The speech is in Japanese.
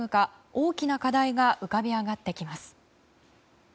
大きな課題が浮かび上がってきます。